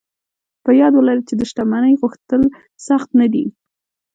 په ياد ولرئ چې د شتمنۍ غوښتل سخت نه دي.